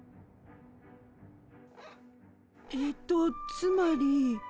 えとつまり。